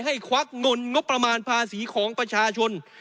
ควักเงินงบประมาณภาษีของประชาชน